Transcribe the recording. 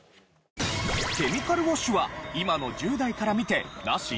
ケミカルウォッシュは今の１０代から見てナシ？